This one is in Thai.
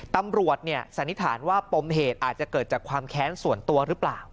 สันนิษฐานว่าปมเหตุอาจจะเกิดจากความแค้นส่วนตัวหรือเปล่า